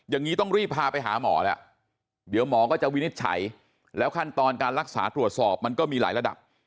อย่างนี้ต้องรีบพาไปหาหมอแล้วเดี๋ยวหมอก็จะวินิจฉัยแล้วขั้นตอนการรักษาตรวจสอบมันก็มีหลายระดับ